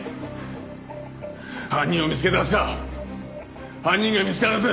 犯人を見つけ出すか犯人が見つからず